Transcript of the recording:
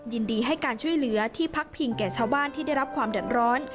ยินดีให้การช่วยเหลือที่พักพิงแก่ชาวบ้านที่ได้รับความเดือดร้อน